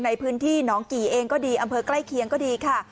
ในพื้นที่หนองกี่เองก็ดีอำเภอใกล้เคียงก็ดีค่ะ